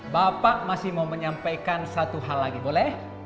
bapak masih mau menyampaikan satu hal lagi boleh